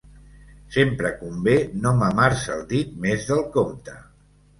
Sempre convé no mamar-se el dit més del compte.